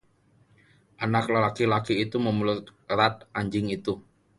Anak laki-laki itu memeluk erat anak anjing itu.